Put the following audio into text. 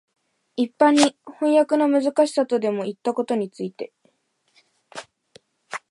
一般に飜訳のむずかしさとでもいったことについて、